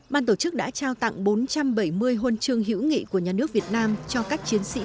ban tổ chức đã trao tặng bốn trăm bảy mươi huân chương hữu nghị của nhà nước việt nam cho các chiến sĩ